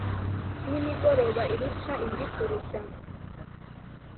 N' imigoroba irusha indi kurushya